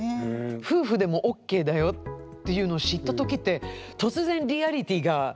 夫婦でもＯＫだよっていうのを知った時って突然リアリティーがね。